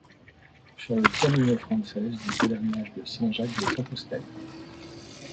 Sur le Camino francés du Pèlerinage de Saint-Jacques-de-Compostelle.